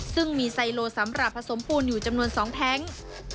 ซึ่งมีไซโลสำหรับผสมปูนอยู่จำนวน๒แท้ง